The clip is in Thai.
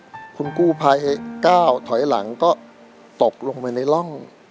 ใช่ครับคู่ภัยก้าวถอยหลังก็ตกลงไปในร่อง